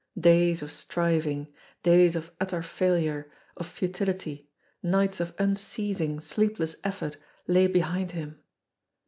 Days of striving, days of utter failure, of futility, nights of unceasing, sleepless effort lay behind him.